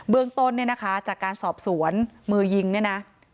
เรื่องต้นเนี่ยนะคะจากการสอบสวนมือยิงเนี่ยนะ